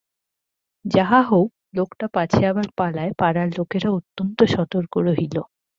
যাহা হউক, লোকটা পাছে আবার পালায় পাড়ার লোকেরা অত্যন্ত সতর্ক রহিল।